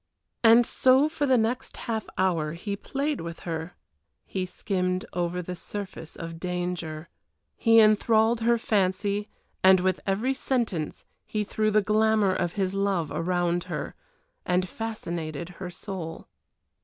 And so for the next half hour he played with her, he skimmed over the surface of danger, he enthralled her fancy, and with every sentence he threw the glamour of his love around her, and fascinated her soul.